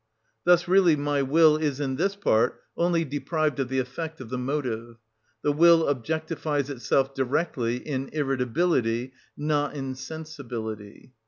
Thus really my will is, in this part, only deprived of the effect of the motive. The will objectifies itself directly, in irritability, not in sensibility.